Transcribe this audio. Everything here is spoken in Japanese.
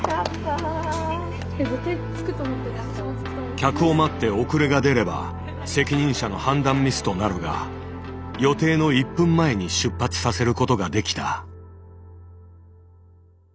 客を待って遅れが出れば責任者の判断ミスとなるが予定の１分前に出発させることができた。